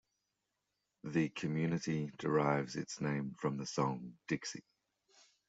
The community derives its name from the song "Dixie".